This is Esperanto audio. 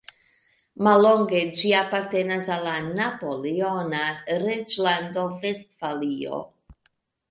Mallonge ĝi apartenis al la napoleona reĝlando Vestfalio.